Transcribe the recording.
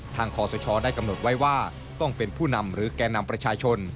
คอสชได้กำหนดไว้ว่าต้องเป็นผู้นำหรือแก่นำประชาชน